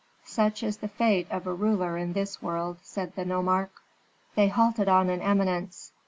"Such is the fate of a ruler in this world," said the nomarch. They halted on an eminence.